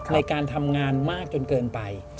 ในการทำงานมากจนเกินไป